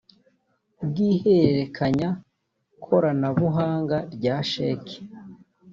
bw ihererekanya koranabuhanga rya sheki